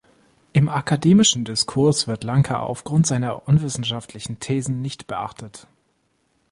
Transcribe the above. Im akademischen Diskurs wird Lanka aufgrund seiner unwissenschaftlichen Thesen nicht beachtet.